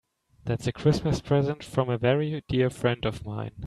That's a Christmas present from a very dear friend of mine.